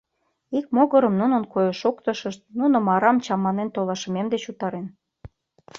Ик могырым – нунын койыш-шоктышышт нуным арам чаманен толашымем деч утарен.